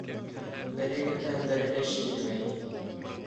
Берегеҙҙән бер эш килмәй.